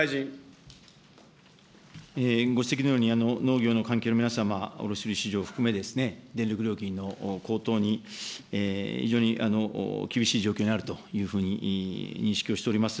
ご指摘のように、農業の関係の皆様、卸売り市場含めですね、電力料金の高騰に非常に厳しい状況にあるというふうに認識をしております。